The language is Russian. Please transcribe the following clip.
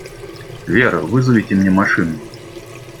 Вера, вызовите мне машину.